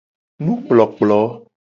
Nukplokplo.